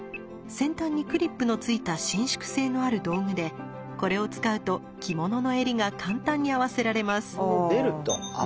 先端にクリップの付いた伸縮性のある道具でこれを使うと着物の襟が簡単に合わせられます。